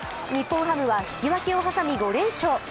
日本ハムは引き分けを挟み５連勝。